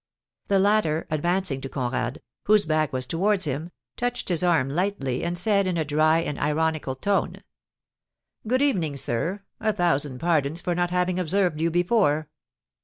The latter, advancing to Conrad, whose back was towards him, touched his arm lightly, and said, in a dry and ironical tone: "Good evening, sir; a thousand pardons for not having observed you before."